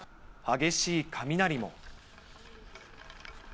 激しい雷も。